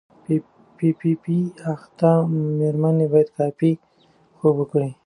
پی پي پي اخته مېرمنې باید کافي خوب وکړي.